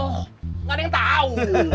nggak ada yang tahu